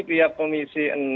pihak komisi enam